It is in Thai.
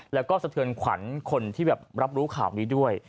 แล้วก็สะเทือนขวัญคนที่แบบรับรู้ข่าวนี้ด้วย